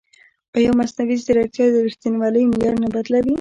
ایا مصنوعي ځیرکتیا د ریښتینولۍ معیار نه بدلوي؟